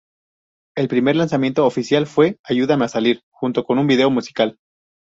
El primer lanzamiento oficial fue ""Ayúdame a Salir"", junto con un video musical.